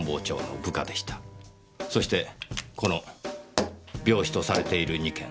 そしてこの病死とされている２件。